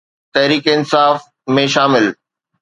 تحريڪ انصاف ۾ شامل